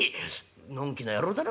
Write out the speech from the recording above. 「のんきな野郎だね